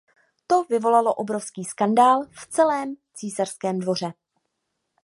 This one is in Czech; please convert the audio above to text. To vyvolalo obrovský skandál v celém císařském dvoře.